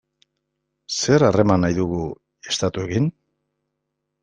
Zer harreman nahi dugu estatuekin?